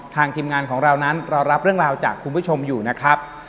ทีมงานของเรานั้นเรารับเรื่องราวจากคุณผู้ชมอยู่นะครับ